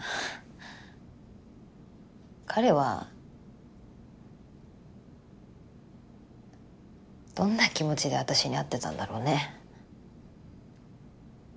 彼はどんな気持ちで私に会ってたんだろうね